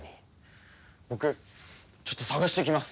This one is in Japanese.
僕ちょっと捜してきます！